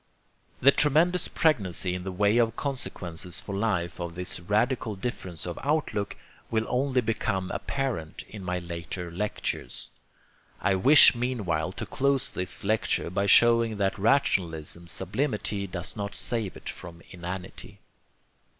The tremendous pregnancy in the way of consequences for life of this radical difference of outlook will only become apparent in my later lectures. I wish meanwhile to close this lecture by showing that rationalism's sublimity does not save it from inanity.